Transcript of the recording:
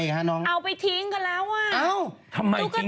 ยาพมาหาค่ะ